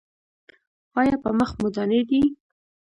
ایا په مخ مو دانې دي؟